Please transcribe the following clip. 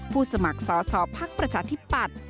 สมัครสอสอภักดิ์ประชาธิปัตย์